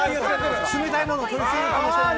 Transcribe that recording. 冷たいもののとりすぎかもしれない。